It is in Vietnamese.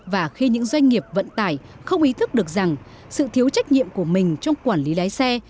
và khi những doanh nghiệp vận tải không ý thức được rằng sự thiếu trách nhiệm của mình trong quản lý lái xe